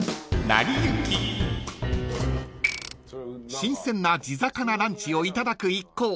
［新鮮な地魚ランチをいただく一行］